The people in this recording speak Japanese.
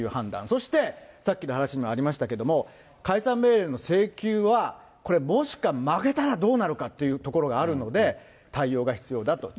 そしてさっきの話にもありましたけれども、解散命令の請求は、これもしか負けたらどうなるかというところがあるので、対応が必要だと。